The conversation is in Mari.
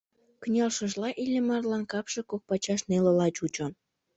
Кынелшыжла Иллимарлан капше кок пачаш нелыла чучо.